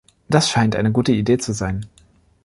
Das scheint eine gute Idee zu sein.